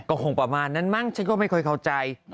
ก็คงประมาณนั้นมั้งฉันก็ไม่ค่อยเข้าใจ